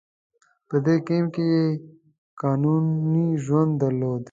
په دې کمپ کې یې قانوني ژوند درلود.